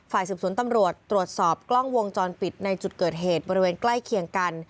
สืบสวนตำรวจตรวจสอบกล้องวงจรปิดในจุดเกิดเหตุบริเวณใกล้เคียงกัน